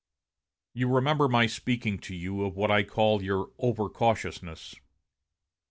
"You remember my speaking to you of what I called your over cautiousness.